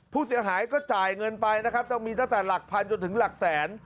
ผู้เสียหายก็จ่ายเงินไปนะครับต้องมีตั้งแต่หลักพันจนถึงหลักแสน